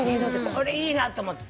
これいいなと思って。